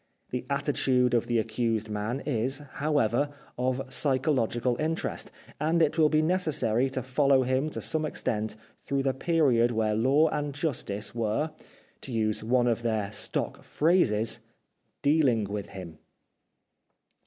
The attitude of the accused man is, however, of psychological in terest, and it will be necessary to follow him to some extent through the period where Law and Justice were — to use one of their stock phrases —" dealing with him."